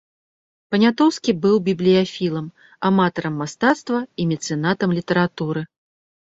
Панятоўскі быў бібліяфілам, аматарам мастацтва і мецэнатам літаратуры.